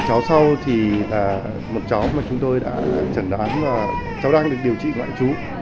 cháu sau thì là một cháu mà chúng tôi đã chẩn đoán và cháu đang được điều trị ngoại trú